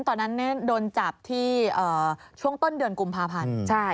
ตอนนั้นโดนจับที่ช่วงต้นเดือนกุมภาพันธ์